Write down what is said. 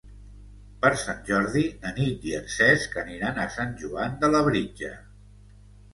Per Sant Jordi na Nit i en Cesc aniran a Sant Joan de Labritja.